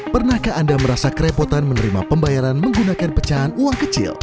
pernahkah anda merasa kerepotan menerima pembayaran menggunakan pecahan uang kecil